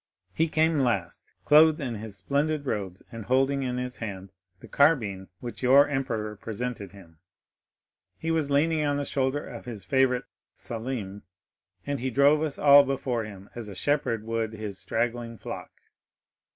He came last, clothed in his splendid robes and holding in his hand the carbine which your emperor presented him. He was leaning on the shoulder of his favorite Selim, and he drove us all before him, as a shepherd would his straggling flock.